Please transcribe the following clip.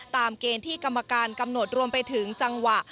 เกณฑ์ที่กรรมการกำหนดรวมไปถึงจังหวะ